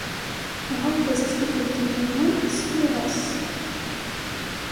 Iɛawed-as-d tikkelt-nniḍen, sliɣ-as.